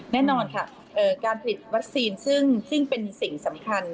แน่นอนค่ะการผลิตวัคซีนซึ่งเป็นสิ่งสำคัญ